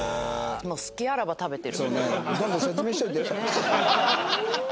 もう隙あらば食べてる。